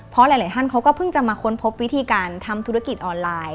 เพราะหลายท่านเขาก็เพิ่งจะมาค้นพบวิธีการทำธุรกิจออนไลน์